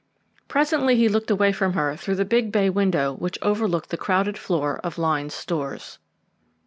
Presently he looked away from her through the big bay window which overlooked the crowded floor of Lyne's Stores.